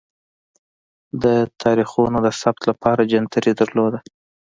د تاریخونو د ثبت لپاره جنتري درلوده.